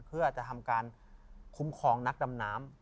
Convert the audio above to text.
เพื่อจะทำการคุ้มครองนักดำน้ำ